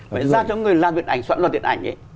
phải ra cho người làm điện ảnh soạn luật điện ảnh ấy